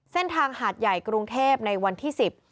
เส้นทางหาดใหญ่กรุงเทพฯในวันที่๑๐